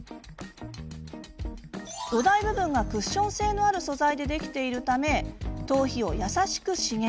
土台部分がクッション性のある素材でできているため頭皮を優しく刺激。